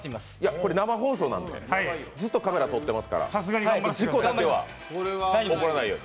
これ生放送なんで、ずっとカメラ撮ってますから事故だけは起こらないように。